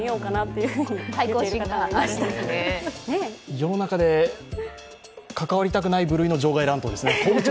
世の中で関わりたくない部類の場外乱闘ですね。